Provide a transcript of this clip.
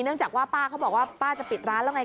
เนื่องจากว่าป้าเขาบอกว่าป้าจะปิดร้านแล้วไง